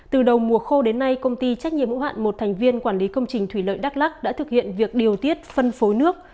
từ đầu mùa khô đến nay công ty trách nhiệm hữu hạn một thành viên quản lý công trình thủy lợi đắk lắc đã thực hiện việc điều tiết phân phối nước